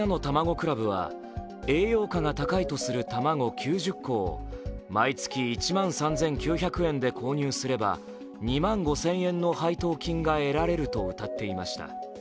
倶楽部は、栄養価が高いとする卵９０個を毎月１万３９００円で購入すれば２万５０００円の配当金が得られるとうたっていました。